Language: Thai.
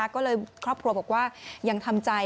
ก็เลยครอบครัวบอกว่ายังทำใจ